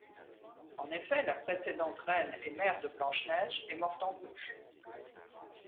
En effet, la précédente reine et mère de Blanche-Neige est morte en couches.